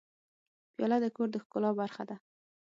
پیاله د کور د ښکلا برخه ده.